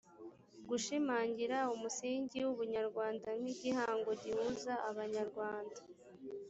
gushimangira umusingi w’ubunyarwanda nk’igihango gihuza abanyarwanda